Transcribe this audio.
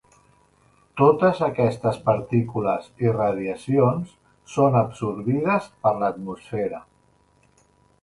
Totes aquestes partícules i radiacions són absorbides per l'atmosfera.